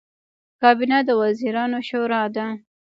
کابینه د وزیرانو شورا ده